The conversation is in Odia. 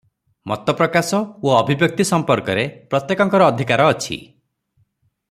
ମତ ପ୍ରକାଶ ଓ ଅଭିବ୍ୟକ୍ତି ସମ୍ପର୍କରେ ପ୍ରତ୍ୟେକଙ୍କର ଅଧିକାର ଅଛି ।